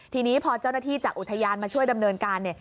ทีนี้พอเจ้าหน้าที่จากอุทยานมาช่วยดำเนินการ